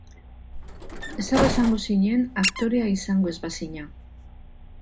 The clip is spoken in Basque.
Zer izango zinen aktorea izango ez bazina?